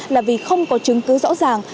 là vì không có chứng cứ rõ ràng